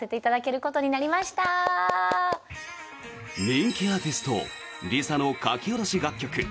人気アーティスト、ＬｉＳＡの書き下ろし楽曲